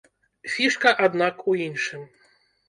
Фішка, аднак, у іншым.